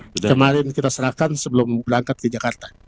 kemarin kita serahkan sebelum berangkat ke jakarta